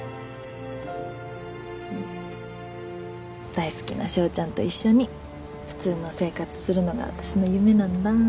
大好きな翔ちゃんと一緒に普通の生活するのが私の夢なんだ。